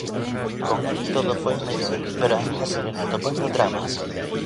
Con el todo foi a mellor pero aínda seguen atopando trabas.